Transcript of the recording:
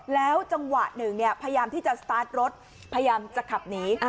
แล้วจังหวะหนึ่งพยายามที่จะสตาร์ทรถพยายามจะขับหนี